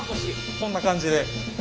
こんな感じで。